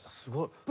すごい！